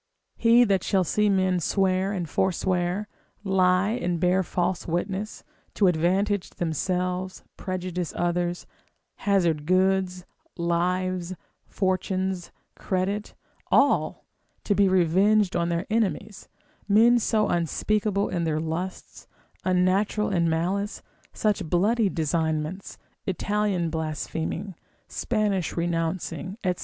He that shall see men swear and forswear, lie and bear false witness, to advantage themselves, prejudice others, hazard goods, lives, fortunes, credit, all, to be revenged on their enemies, men so unspeakable in their lusts, unnatural in malice, such bloody designments, Italian blaspheming, Spanish renouncing, &c.